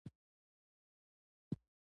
د پیسو ارزښت په هغه وخت کې معلومېږي چې نه وي.